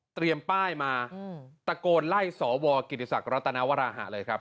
เตรียมป้ายมาอืมตะโกนไล่สอวรกิจศักดิ์รัตนาวราหะเลยครับ